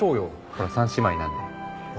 ほら三姉妹なんで。